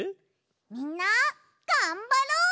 みんながんばろう！